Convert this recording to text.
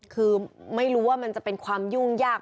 คือไม่รู้ว่ามันจะเป็นความยุ่งยาก